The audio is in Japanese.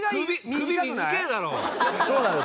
そうなのよ。